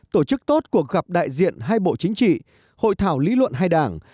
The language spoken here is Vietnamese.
tổ chức tốt cuộc gặp đại diện hai bộ chính trị hội thảo lý luận hai đảng